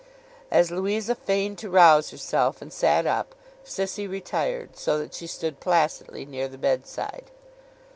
As Louisa feigned to rouse herself, and sat up, Sissy retired, so that she stood placidly near the bedside.